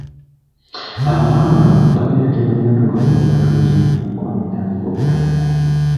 Abawala bano babeera tebannatuuka gye babatumye enkuba netandika okutonnya.